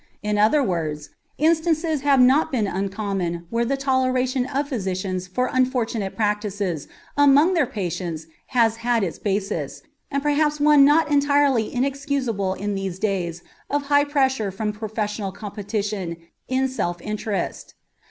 In other words, instances have not been uncommon where the toleration of physicians for unfortunate practices among their patients has had its basis, and perhaps one not entirely inexcusable in these days of high pressure from professional competition, in self interest.